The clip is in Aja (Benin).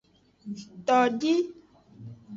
Todi.